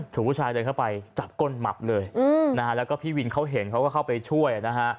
ผู้ชายเดินเข้าไปจับก้นหมับเลยนะฮะแล้วก็พี่วินเขาเห็นเขาก็เข้าไปช่วยนะฮะ